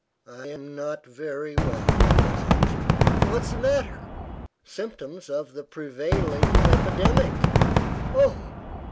"I'm not very well," was answered. "What's the matter?" "Symptoms of the prevailing epidemic." "Oh!